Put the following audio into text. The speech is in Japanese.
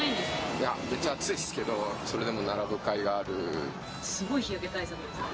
いや、めっちゃ暑いですけど、すごい日焼け対策ですね。